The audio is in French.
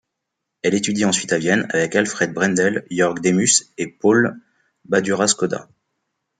Elle étudie ensuite à Vienne avec Alfred Brendel, Jörg Demus et Paul Badura-Skoda.